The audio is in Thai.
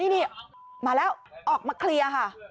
นี่มาแล้วออกมาเคลียร์ค่ะ